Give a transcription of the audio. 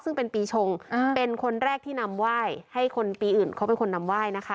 ซึ่งเป็นปีชงเป็นคนแรกที่นำไหว้ให้คนปีอื่นเขาเป็นคนนำไหว้นะคะ